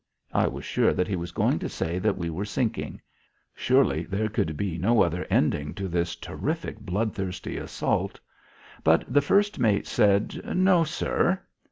I was sure that he was going to say that we were sinking. Surely there could be no other ending to this terrific bloodthirsty assault. But the first mate said, "No, sir."